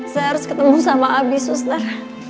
saya harus ketemu sama abi suster